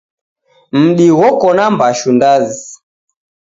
Mdi ghoko na mbashu ndazi.